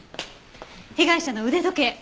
被害者の腕時計。